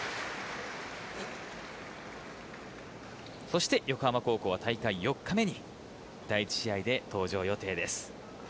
そして横浜高校は大会４日目に第１試合で登場予定です。